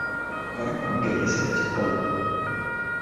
果間咁嘅野食人隻車